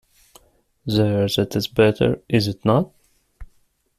There, that is better, is it not?